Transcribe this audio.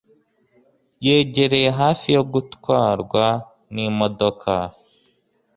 Yegereye hafi yo gutwarwa n'imodoka.